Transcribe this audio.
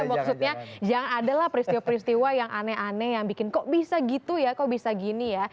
maksudnya jangan adalah peristiwa peristiwa yang aneh aneh yang bikin kok bisa gitu ya kok bisa gini ya